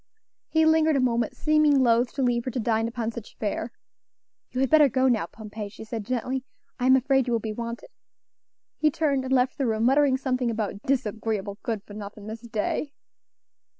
He lingered a moment, seeming loath to leave her to dine upon such fare. "You had better go now, Pompey," she said gently; "I am afraid you will be wanted." He turned and left the room, muttering something about "disagreeable, good for nothing Miss Day!"